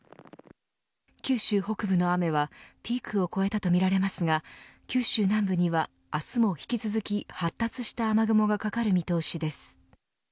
九州北部の雨はピークを越えたとみられますが九州南部には、明日も引き続き発達した雨雲がかかる見通しです。